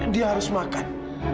dia harus makan